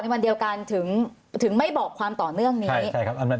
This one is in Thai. วันเดียวกันถึงไม่บอกความต่อเนื่องนี้ใช่ครับ